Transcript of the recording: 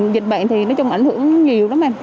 dịch bệnh thì nói chung là ảnh hưởng nhiều lắm em